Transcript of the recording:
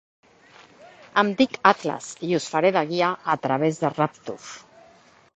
Em dic Atlas i us faré de guia a través de Rapture.